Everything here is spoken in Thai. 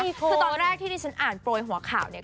คือตอนแรกที่ดิฉันอ่านโปรยหัวข่าวเนี่ย